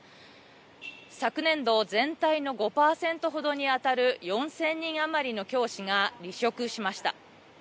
昨年度、全体の５％程に当たる４０００人余りの教師が離職しました。